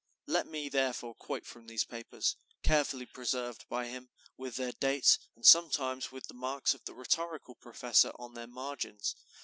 Let me therefore quote from these papers, carefully preserved by him, with their dates, and sometimes with the marks of the rhetorical professor on their margins.